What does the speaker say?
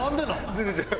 全然違う。